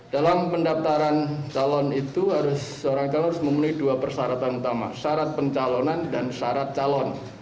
dalam pendaftaran calon itu seorang calon harus memenuhi dua persyaratan utama syarat pencalonan dan syarat calon